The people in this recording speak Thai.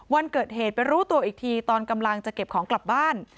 วันเกิดเหตุไปรู้ตัวอีกทีตอนกำลังจะเก็บของกลับบ้าน